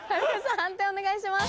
判定お願いします。